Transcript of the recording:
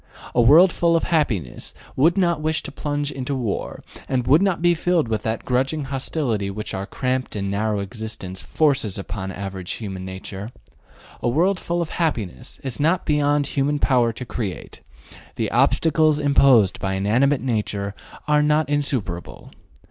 A world full of happiness would not wish to plunge into war, and would not be filled with that grudging hostility which our cramped and narrow existence forces upon average human nature. A world full of happiness is not beyond human power to create; the obstacles imposed by inanimate nature are not insuperable.